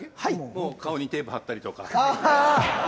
もう顔にテープ貼ったりとかないのね？